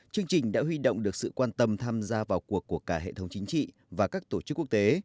chương trình đã huy động được sự quan tâm tham gia vào cuộc của cả hệ thống chính trị và các tổ chức quốc tế